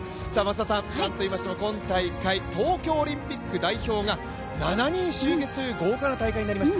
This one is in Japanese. なんといいましても今大会、東京オリンピック代表が７人集結という豪華な大会になりました。